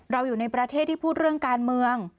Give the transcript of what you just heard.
อยู่ในประเทศที่พูดเรื่องการเมือง